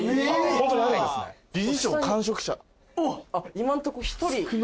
今んとこ１人？